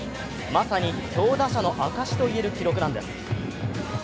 まさに強打者の証といえる記録なんです。